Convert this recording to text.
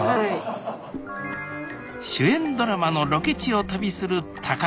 主演ドラマのロケ地を旅する高橋さん。